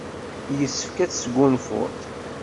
Yessefk ad tesgunfuḍ.